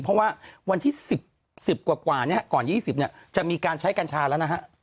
เพราะว่าวันที่๑๐กว่าก่อน๒๐เนี่ยจะมีการใช้กัญชาแล้วนะฮะ